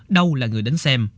đâu là người đánh xem